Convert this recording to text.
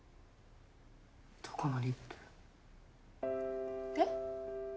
どこのリップ？え？